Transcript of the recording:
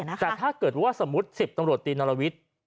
แต่ถ้าเกิดว่าสมมุติ๑๐ตำรวจตีนรวิทย์